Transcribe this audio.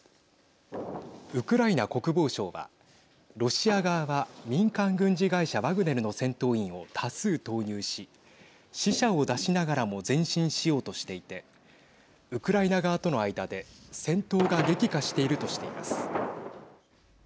ウクライナ国防省はロシア側は民間軍事会社ワグネルの戦闘員を多数投入し死者を出しながらも前進しようとしていてウクライナ側との間で戦闘が激化しているとしています。